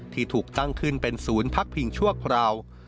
ที่ถูกตั้งขึ้นเป็นศูนย์พักพิงชั่วคราว